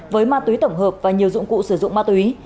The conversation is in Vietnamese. với ma túy tổng hợp và nhiều dụng cụ sử dụng ma túy